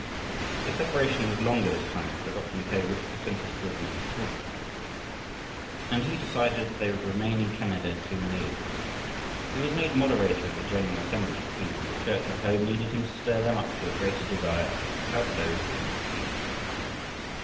The separation was longer this time, for Dr. Mackay wished to send his children to school, and he decided that they would remain in Canada two years. He was made Moderator of the General Assembly, too, and the Church at home needed him to stir them up to a greater desire to help those beyond the seas.